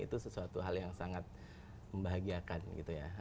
itu sesuatu hal yang sangat membahagiakan gitu ya